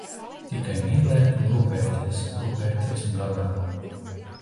Tikai mīlēt un rūpēties, rūpēties un gādāt.